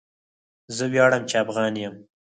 زه ویاړم چې افغان یم.